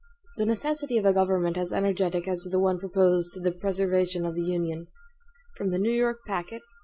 23 The Necessity of a Government as Energetic as the One Proposed to the Preservation of the Union From the New York Packet.